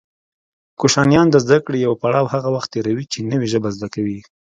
کوشنیان د زده کړې يو پړاو هغه وخت تېروي چې نوې ژبه زده کوي